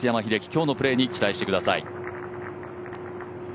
今日のプレーに期待してください。